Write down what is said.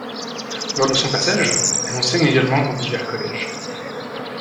Lors de son passage, elle enseigne également dans divers collèges.